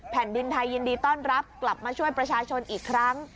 แผ่นดินไทยยินดีต้อนรับกลับมาช่วยประชาชนอีกครั้ง